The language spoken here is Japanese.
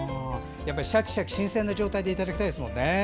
やっぱりシャキシャキ新鮮な状態でいただきたいですもんね。